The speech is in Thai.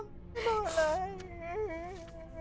ไม่รู้เลย